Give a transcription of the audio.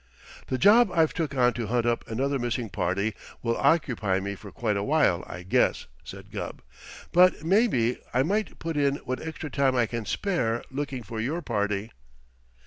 "The job I've took on to hunt up another missing party will occupy me for quite a while, I guess," said Gubb, "but maybe I might put in what extra time I can spare looking for your party."